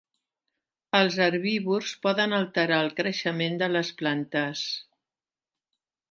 El herbívors poden alterar el creixement de les plantes.